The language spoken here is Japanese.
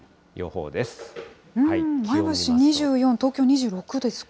前橋２４、東京２６ですか。